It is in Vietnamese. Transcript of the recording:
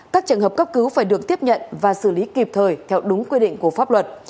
các trường hợp cấp cứu phải được tiếp nhận và xử lý kịp thời theo đúng quy định của pháp luật